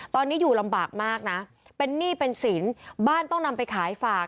ตอนนี้อยู่ลำบากมากนะเป็นหนี้เป็นสินบ้านต้องนำไปขายฝาก